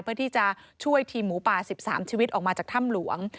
เพื่อที่จะช่วยทีมหมูป่า๑๓ชีวิตออกมาจากถ้ำหลวง